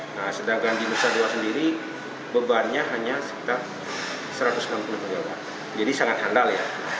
nah sedangkan di nusa dua sendiri bebannya hanya sekitar satu ratus enam puluh triliun jadi sangat handal ya